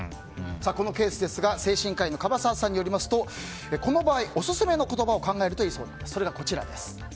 このケースですが精神科医の樺沢さんによりますとこの場合、オススメの言葉を考えるといいそうなんです。